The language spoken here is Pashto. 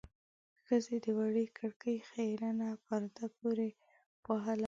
ښځې د وړې کړکۍ خيرنه پرده پورې وهله.